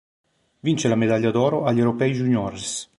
Vince la Medaglia d’Oro agli Europei Juniores.